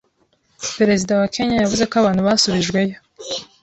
Perezida wa Kenya yavuze ko abantu basubijweyo